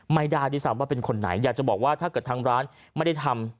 ไม่ได้ด้วยซ้ำว่าเป็นคนไหนอยากจะบอกว่าถ้าเกิดทางร้านไม่ได้ทำ